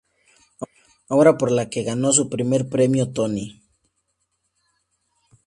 Obra por la que ganó su primer premio Tony.